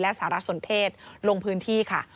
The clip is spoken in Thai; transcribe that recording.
และสารสนเทศลงพื้นที่ค่ะ